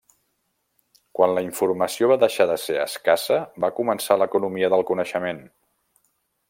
Quan la informació va deixar de ser escassa va començar l'economia del coneixement.